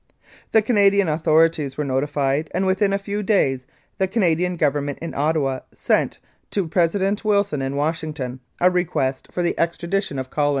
"The Canadian authorities were notified, and within a few days the Canadian Government in Ottawa sent to President Wilson in Washington a request for the extradition of Collins.